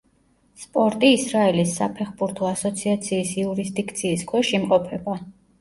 სპორტი ისრაელის საფეხბურთო ასოციაციის იურისდიქციის ქვეშ იმყოფება.